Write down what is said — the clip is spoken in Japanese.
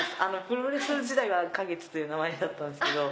プロレス時代は花月という名前だったんですけど。